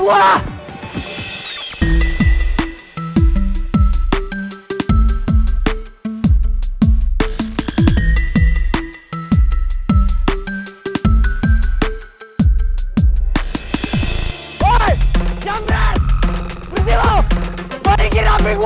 woi jangan red berhenti lo balikin hape gue